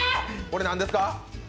これなんですか？